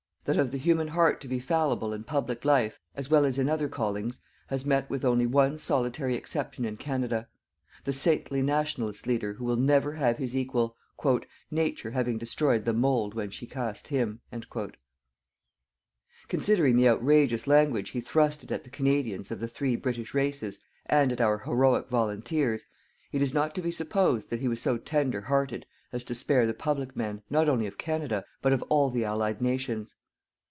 That of the human heart to be fallible in public life, as well as in other callings, has met with only one solitary exception in Canada: the saintly Nationalist leader who will never have his equal, "nature having destroyed the mould when she cast him." Considering the outrageous language he thrusted at the Canadians of the three British races and at our heroic volunteers, it is not to be supposed that he was so tender hearted as to spare the public men, not only of Canada, but of all the Allied Nations.